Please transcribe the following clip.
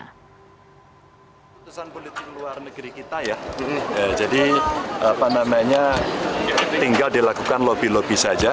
keputusan politik luar negeri kita ya jadi apa namanya tinggal dilakukan lobby lobby saja